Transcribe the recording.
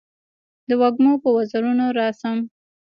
د وږمو په وزرونو راشم